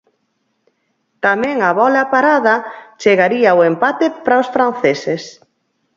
Tamén a bóla parada chegaría o empate para os franceses.